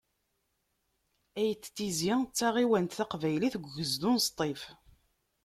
Ayt Tizi d taɣiwant taqbaylit deg ugezdu n Sṭif.